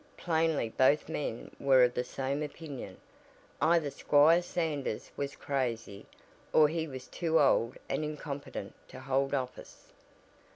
Plainly both men were of the same opinion either Squire Sanders was crazy or he was too old and incompetent to hold office.